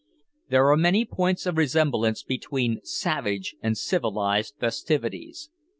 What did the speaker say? There are many points of resemblance between savage and civilised festivities.